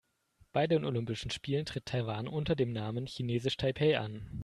Bei den Olympischen Spielen tritt Taiwan unter dem Namen „Chinesisch Taipeh“ an.